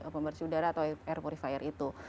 pembersih udara atau air purifier itu